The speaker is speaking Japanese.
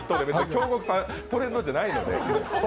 京極さんトレンドじゃないので。